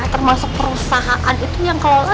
termasuk perusahaan itu yang kelola